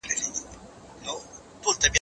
زه به سبا د يادښتونه بشپړوم..